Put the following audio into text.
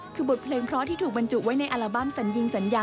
คือบทเพลงเพราะที่ถูกบรรจุไว้ในอัลบั้มสัญญิงสัญญา